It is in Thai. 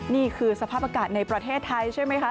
นี่คือสภาพอากาศในประเทศไทยใช่ไหมคะ